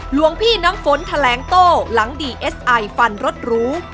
หลวงพี่น้ำฝนแถลงโต้หลังดีเอสไอฟันรถหรู